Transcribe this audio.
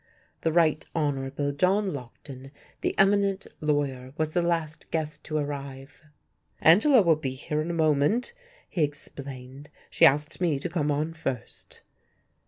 The Right Hon. John Lockton, the eminent lawyer, was the last guest to arrive. "Angela will be here in a moment," he explained; "she asked me to come on first."